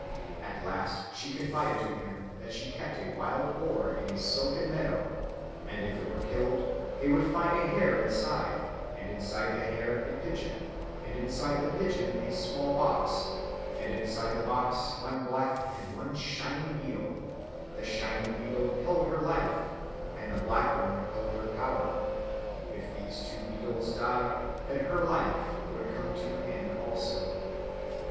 At last she confided to him that she kept a wild boar in a silken meadow, and if it were killed, they would find a hare inside, and inside the hare a pigeon, and inside the pigeon a small box, and inside the box one black and one shining beetle: the shining beetle held her life, and the black one held her power; if these two beetles died, then her life would come to an end also.